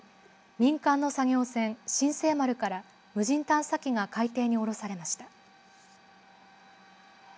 民間の作業船、新世丸から無人探査機が海底に下ろされました。